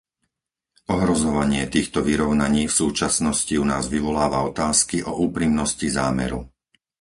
Ohrozovanie týchto vyrovnaní v súčasnosti u nás vyvoláva otázky o úprimnosti zámeru.